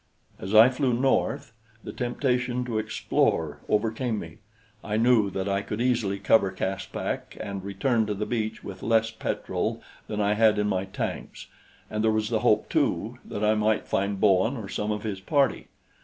As I flew north, the temptation to explore overcame me. I knew that I could easily cover Caspak and return to the beach with less petrol than I had in my tanks; and there was the hope, too, that I might find Bowen or some of his party.